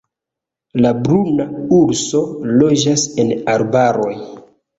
La bruna urso loĝas en arbaroj.